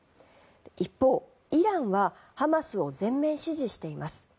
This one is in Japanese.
一方、イランはハマスを全面支持しています。